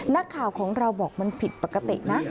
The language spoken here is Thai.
นักข่าวของเราบอกมันผิดปกตินะ